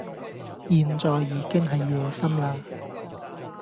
現在已經係夜深喇